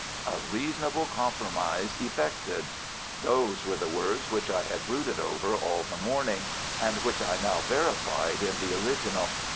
"A reasonable compromise effected"—those were the words which I had brooded over all the morning, and which I now verified in the original.